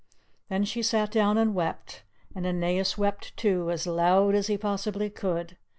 Then she sat down and wept, and Aeneas wept, too, as loud as he possibly could.